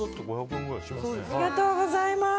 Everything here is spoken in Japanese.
ありがとうございます。